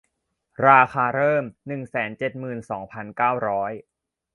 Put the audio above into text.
ราคาเริ่ม หนึ่งแสนเจ็ดหมื่นสองพันเก้าร้อย